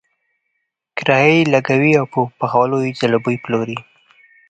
کرایي یې لګولی او په پخولو یې ځلوبۍ پلورلې.